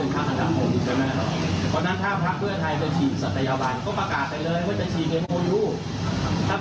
เพราะฉะนั้นถ้าพลักษณ์เพื่อไทยจะชิดสัตยาบัล